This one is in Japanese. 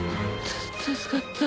助かった。